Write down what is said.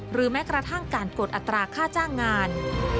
แม้กระทั่งการกดอัตราค่าจ้างงาน